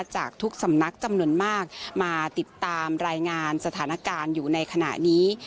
จากทุกสำนักจำนวนมากมาติดตามรายงานสถานการณ์อยู่ในขณะนี้